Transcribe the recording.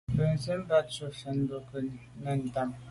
Bènzwi bat tshùa mfèn bo nke nèn ntàne.